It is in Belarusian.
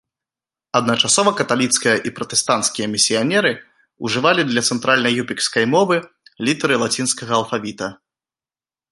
Адначасова каталіцкія і пратэстанцкія місіянеры ўжывалі для цэнтральна-юпікскай мовы літары лацінскага алфавіта.